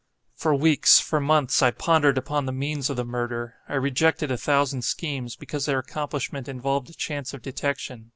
For weeks, for months, I pondered upon the means of the murder. I rejected a thousand schemes, because their accomplishment involved a chance of detection.